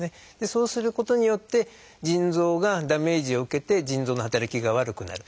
そうすることによって腎臓がダメージを受けて腎臓の働きが悪くなる。